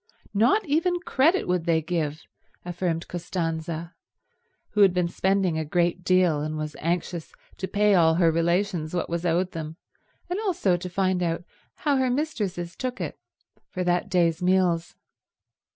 Not even credit would they give, affirmed Costanza, who had been spending a great deal and was anxious to pay all her relations what was owed them and also to find out how her mistresses took it, for that day's meals.